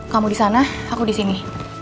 kamu disana aku disini